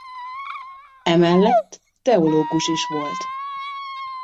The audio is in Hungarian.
Emellett teológus is volt.